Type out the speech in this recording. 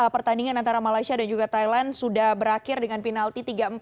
pertandingan antara malaysia dan juga thailand sudah berakhir dengan penalti tiga empat